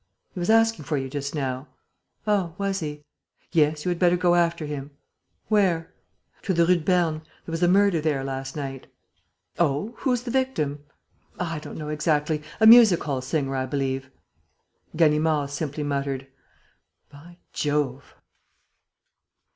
"He was asking for you just now." "Oh, was he?" "Yes, you had better go after him." "Where?" "To the Rue de Berne ... there was a murder there last night." "Oh! Who's the victim?" "I don't know exactly ... a music hall singer, I believe." Ganimard simply muttered: "By Jove!"